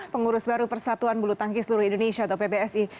pengurus baru persatuan bulu tangkis seluruh indonesia atau pbsi